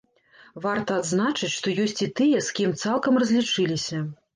Варта адзначыць, што ёсць і тыя, з кім цалкам разлічыліся.